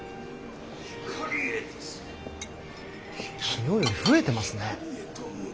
昨日より増えてますね。